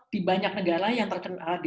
di banyak negara yang terkena